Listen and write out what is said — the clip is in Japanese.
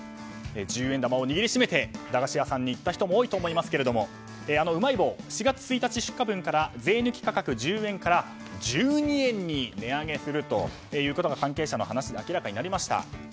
十円玉を握りしめて駄菓子屋さんに行った人も多いと思いますがうまい棒、４月１日出荷分から税抜き価格１０円から１２円に値上げすることが関係者の話で明らかになりました。